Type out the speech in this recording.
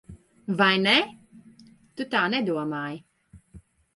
Vai ne? Tu tā nedomāji.